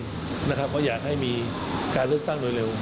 เพราะอยากให้มีการเลือกตั้งโดยเร็ว